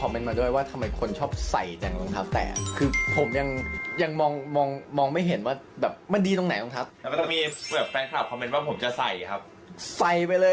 เพราะผมจะใส่จอแดนแล้วเข้าไปถีบหน้า